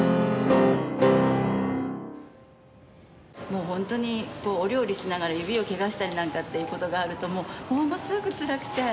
もう本当にお料理しながら指をケガしたりなんかっていうことがあるともうものすごくつらくて。